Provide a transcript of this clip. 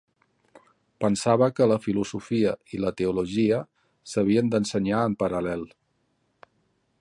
Pensava que la filosofia i la teologia s'havien d'ensenyar en paral·lel.